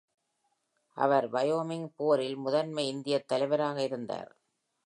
அவர் Wyoming போரில் முதன்மை இந்தியத் தலைவராக இருந்தார்.